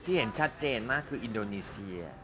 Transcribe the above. เห็นชัดเจนมากคืออินโดนีเซีย